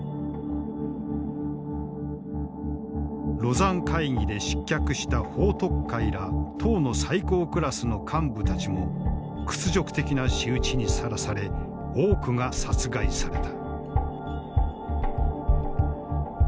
廬山会議で失脚した彭徳懐ら党の最高クラスの幹部たちも屈辱的な仕打ちにさらされ多くが殺害された。